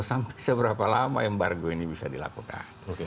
sampai seberapa lama embargo ini bisa dilakukan